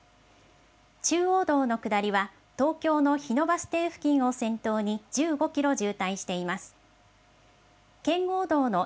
中央道の下りは、東京の日野バス停付近を先頭に１５キロ渋滞しています。